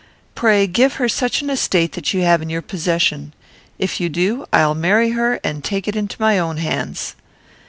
Pray, give her such an estate that you have in your possession. If you do, I'll marry her, and take it into my own hands."